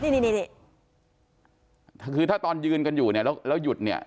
นี่คือถ้าตอนยืนกันอยู่เนี่ยแล้วหยุดเนี่ย